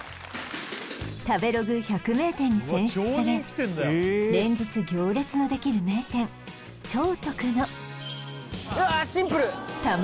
食べログ百名店に選出され連日行列のできる名店兆徳のうわーシンプル！